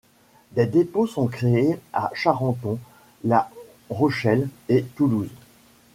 Des dépôts sont créés à Charenton, La Rochelle et Toulouse.